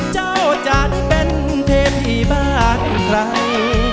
เจ้าจานเป็นเทพที่บ้านใคร